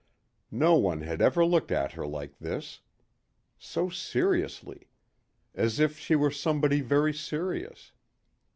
No one had ever looked at her like this. So seriously. As if she were somebody very serious.